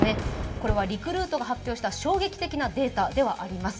これはリクルートが発表した衝撃的なデータではあります。